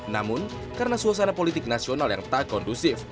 namun karena suasana politik nasional yang tak kondusif